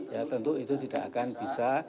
ya tentu itu tidak akan bisa